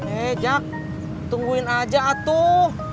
eh jak tungguin aja atuh